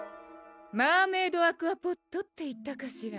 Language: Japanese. マーメイドアクアポットっていったかしら